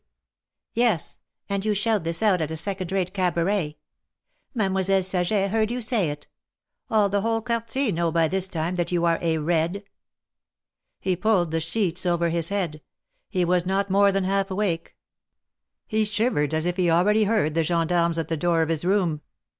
''Yes, and you shout this out at a second rate Cabaret. Mademoiselle Saget heard you say it. All the whole Quartier know by this time that you are a ' Red.' " He pulled the sheets over his head. He was not more than half awake. He shivered as if he already heard the gendarmes at the door of his room.